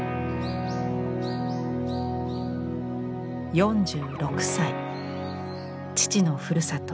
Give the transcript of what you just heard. ４６歳父のふるさと